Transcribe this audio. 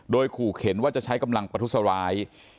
โดยขู่เข็นว่าจะใช้กำลังประทุษร้าย